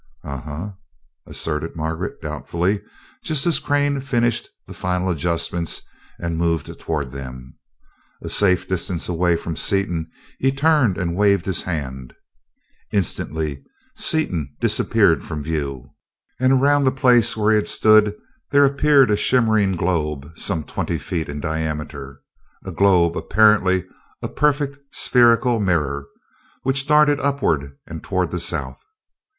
"Uh huh," assented Margaret, doubtfully, just as Crane finished the final adjustments and moved toward them. A safe distance away from Seaton, he turned and waved his hand. Instantly Seaton disappeared from view, and around the place where he had stood there appeared a shimmering globe some twenty feet in diameter a globe apparently a perfect spherical mirror, which darted upward and toward the south.